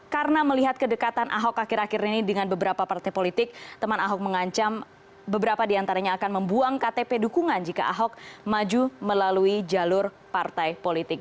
karena melihat kedekatan ahok akhir akhir ini dengan beberapa partai politik teman ahok mengancam beberapa diantaranya akan membuang ktp dukungan jika ahok maju melalui jalur partai politik